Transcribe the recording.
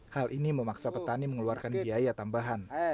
hal ini memaksa petani mengeluarkan biaya tambahan